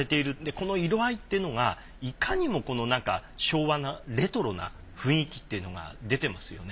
この色合いっていうのがいかにもなんか昭和なレトロな雰囲気っていうのが出てますよね。